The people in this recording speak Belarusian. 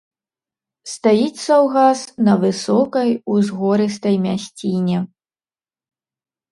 Стаіць саўгас на высокай, узгорыстай мясціне.